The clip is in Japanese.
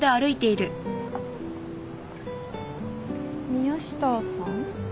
宮下さん？